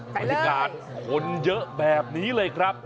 บรรยากาศคนเยอะแบบนี้เลยครับ